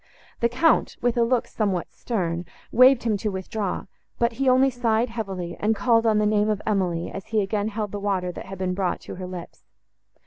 The Count, with a look somewhat stern, waved him to withdraw; but he only sighed heavily, and called on the name of Emily, as he again held the water, that had been brought, to her lips.